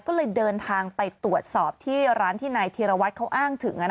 ก็เลยเดินทางไปตรวจสอบที่ร้านที่นายธีรวัตรเขาอ้างถึง